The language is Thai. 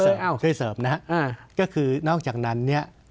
เคยเสริมนะฮะก็คือนอกจากนั้นเนี่ย